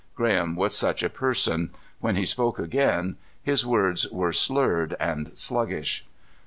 Graham was such a person. When he spoke again his words were slurred and sluggish.